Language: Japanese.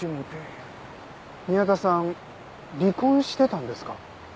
宮田さん離婚してたんですか？